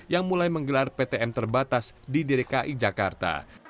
yang mulai menggelar ptm terbatas di dki jakarta